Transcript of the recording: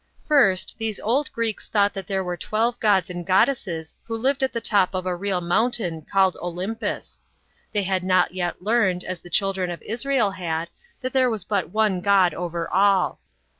First, these old Greeks thought that there were twelve gods and goddesses who lived at the top of a real mountain called Olympus. They had not yet learnt, as the children of Israel haJ, that there was but one God over all.